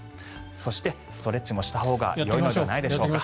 そしてストレッチもしたほうがよいのではないでしょうか。